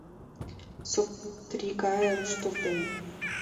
Соптри гае руштылден